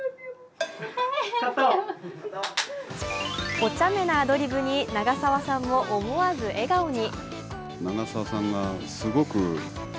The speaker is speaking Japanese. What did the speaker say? おちゃめなアドリブに長澤さんも思わず笑顔に。